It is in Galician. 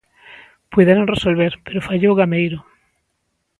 Puideron resolver, pero fallou Gameiro.